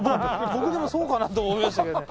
僕でもそうかな？とは思いましたけどね。